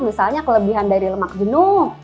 misalnya kelebihan dari lemak jenuh